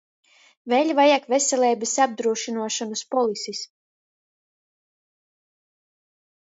Vēļ vajag veseleibys apdrūsynuošonys polisis.